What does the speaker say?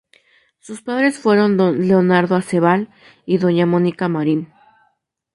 Sus padres fueron don Leonardo Aceval y doña Mónica Marín.